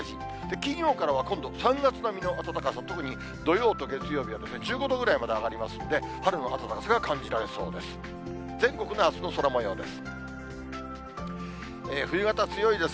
金曜からは今度、３月並みの暖かさ、特に土曜と月曜日は１５度ぐらいまで上がりますので、春の暖かさが感じられそうです。